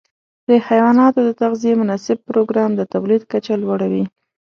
د حيواناتو د تغذیې مناسب پروګرام د تولید کچه لوړه وي.